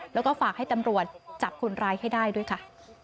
แล้วก็ฝากให้ตำรวจจับคนร้ายให้ได้ด้วยค่ะ